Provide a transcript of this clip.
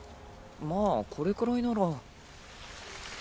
まあこれくらいなら。